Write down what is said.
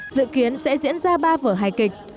dự kiến sẽ diễn ra ba vở hài kịch